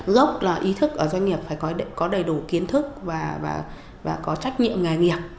dốc là ý thức ở doanh nghiệp phải có đầy đủ kiến thức và có trách nhiệm nghề nghiệp